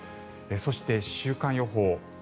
そして、週間予報。